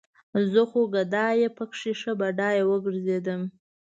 زه خو ګدايه پکې ښه بډايه وګرځېدم